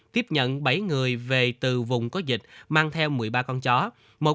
tiếp nhận bảy người về từ vùng có dịch mang theo một mươi ba con chó